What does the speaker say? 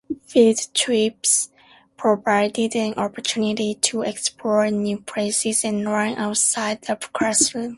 Field trips provided an opportunity to explore new places and learn outside the classroom.